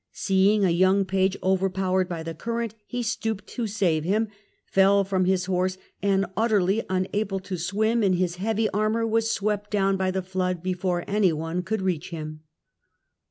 Seeing a young page overpowered by the current he stooped to save him, fell from his horse, and utterly un able to swim in his heavy armour, was swept down by the flood before any could reach him.